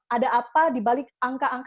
ada apa di balik angka angka